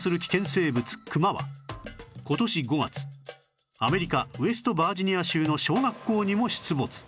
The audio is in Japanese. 生物クマは今年５月アメリカウェストバージニア州の小学校にも出没